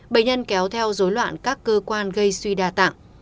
bệnh nhân kéo theo dối loạn các cơ quan gây suy đa tạng